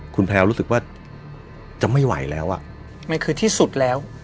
คุณแพลวรู้สึกว่าจะไม่ไหวแล้วอ่ะมันคือที่สุดแล้ว